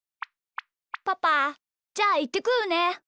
パパじゃあいってくるね。